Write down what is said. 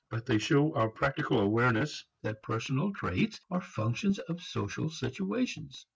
But they show our practical awareness that personal traits are functions of social situations.